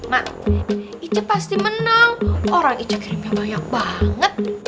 mak iji pasti menang orang iji kirimnya banyak banget